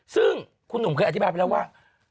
ซึ่งคุณหนุ่มเคยอธิบายไปแล้วว่า